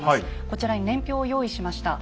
こちらに年表を用意しました。